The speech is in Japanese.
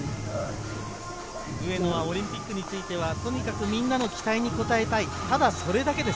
上野はオリンピックについてはとにかくみんなの期待にこたえたい、ただそれだけです。